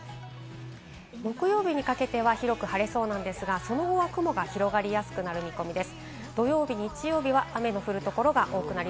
木曜日にかけては広く晴れそうなんですが、その後は雲が広がりやすくなる見込みです。